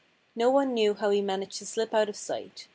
No one knew how he managed to slip out of sight.